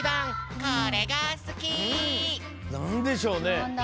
なんでしょうね？